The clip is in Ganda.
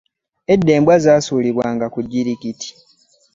Edda embwa zaasuulibwanga ku jjirikiti.